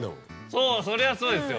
そうそりゃそうですよ